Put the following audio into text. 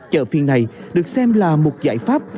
chợ phiên này được xem là một giải pháp